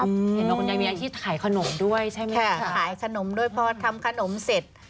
เห็นไหมคุณยายมีอาทิตย์ขายขนมด้วยใช่ไหมค่ะขายขนมด้วยเพราะว่าทำขนมเสร็จ